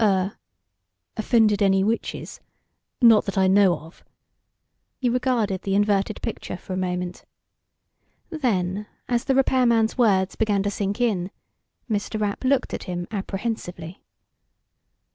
er, offended any witches. Not that I know of." He regarded the inverted picture for a moment. Then, as the repairman's words began to sink in, Mr. Rapp looked at him apprehensively.